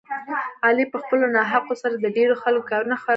علي په خپلو ناحقو سره د ډېرو خلکو کارونه خراب کړل.